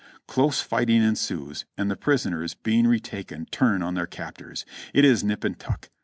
Close fighting ensues ; and the pris oners, being retaken, turn on their captors. It is nip and tuck!